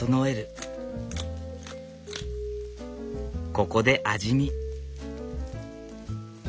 ここで味見。